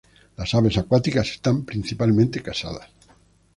Las aves acuáticas están principalmente casadas.